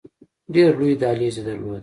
ډېر لوی دهلیز یې درلود.